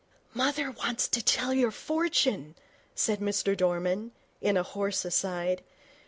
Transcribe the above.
'Mother wants to tell your fortune,' said Mr Dorman, in a hoarse aside.